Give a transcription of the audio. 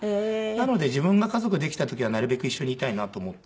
なので自分が家族できた時はなるべく一緒にいたいなと思って。